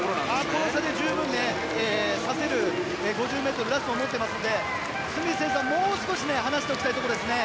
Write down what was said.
この差で十分、刺せる５０ｍラストだと思っていますのでスミス選手はもう少し離しておきたいところですね。